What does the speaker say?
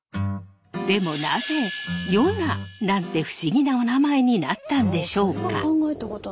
でもなぜヨナなんて不思議なおなまえになったんでしょうか？